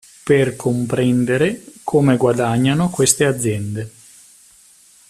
Per comprendere come guadagnano queste aziende.